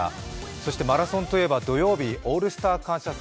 そしてマラソンといえば土曜日、「オールスター感謝祭」